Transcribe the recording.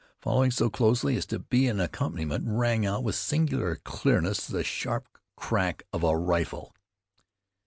Following so closely as to be an accompaniment, rang out with singular clearness the sharp crack of a rifle.